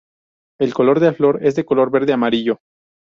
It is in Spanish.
El color de la flor es de color verde amarillo.